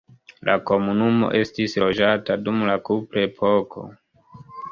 La komunumo estis loĝata dum la kuprepoko.